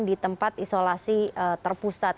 di tempat isolasi terpusat